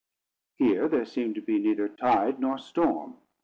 Here there seemed to be neither tide nor storm.